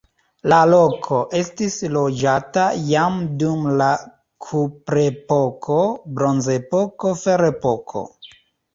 La loko estis loĝata jam dum la kuprepoko, bronzepoko, ferepoko.